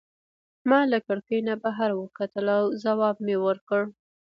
ما له کړکۍ نه بهر وکتل او ځواب مي ورکړ.